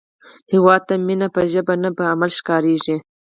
هیواد ته مینه په ژبه نه، په عمل ښکارېږي